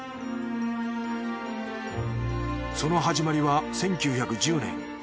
その始まりは１９１０年。